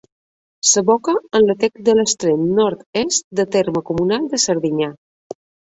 S'aboca en la Tet a l'extrem nord-est del terme comunal de Serdinyà.